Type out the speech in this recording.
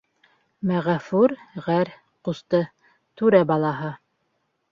Мәғәфүр ғәр. ҡусты; түрә балаһы;